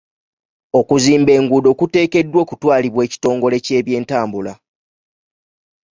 Okuzimba enguudo kuteekeddwa okutwalibwa ekitongole ky'ebyentambula.